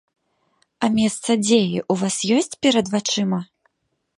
А месца дзеі ў вас ёсць перад вачыма?